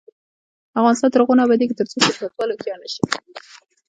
افغانستان تر هغو نه ابادیږي، ترڅو سیاستوال هوښیار نشي.